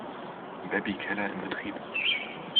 Bebbi-Keller in Betrieb.